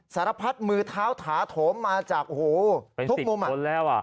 สารพัดมือเท้าถาโถมมาจากหูทุกมุมเป็นสิบคนแล้ว